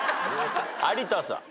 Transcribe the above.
有田さん。